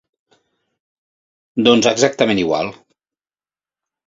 Doncs exactament igual.